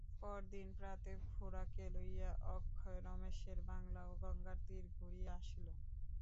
পরদিন প্রাতে খুড়াকে লইয়া অক্ষয় রমেশের বাংলা ও গঙ্গার তীর ঘুরিয়া আসিল।